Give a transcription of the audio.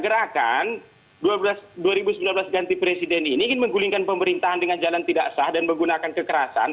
gerakan dua ribu sembilan belas ganti presiden ini ingin menggulingkan pemerintahan dengan jalan tidak sah dan menggunakan kekerasan